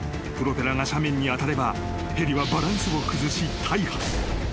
［プロペラが斜面に当たればヘリはバランスを崩し大破］